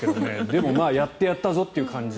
でもやってやったぞという感じ。